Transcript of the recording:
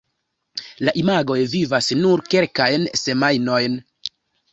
La imagoj vivas nur kelkajn semajnojn.